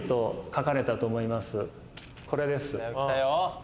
これです。